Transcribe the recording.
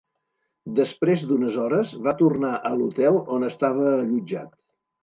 Després d'unes hores, va tornar a l'hotel on estava allotjat.